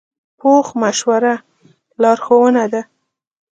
پوخ مشوره لارښوونه ده